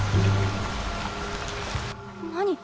何？